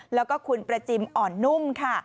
แล้วก็คุณประจิมอ่อนนุ่มค่ะ